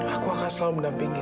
aku akan selalu mendampingi